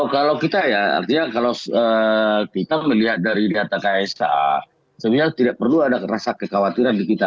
kalau kita ya artinya kalau kita melihat dari data ksa sebenarnya tidak perlu ada rasa kekhawatiran di kita